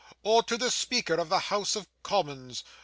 Or the Speaker of the House of Commons?